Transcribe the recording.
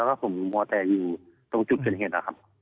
แล้วก็ส่งโมเตรอยู่ตรงจุดเชิญเหตุครับ